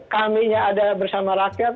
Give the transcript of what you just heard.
kami nya ada bersama rakyat